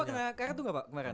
apa kena kartu enggak pak kemarin